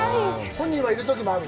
本人がいるときもある？